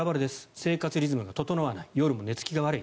生活リズムが整わない夜も寝付きが悪い。